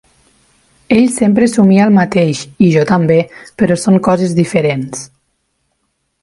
Ell sempre somia el mateix i jo també, però són coses diferents.